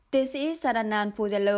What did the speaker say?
tiến sĩ sadanan phong